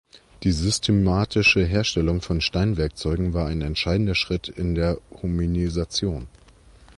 Die systematische Herstellung von Steinwerkzeugen war ein entscheidender Schritt in der Hominisation.